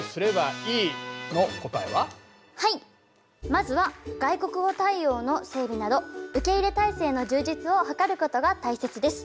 まずは外国語対応の整備など受け入れ体制の充実を図ることが大切です。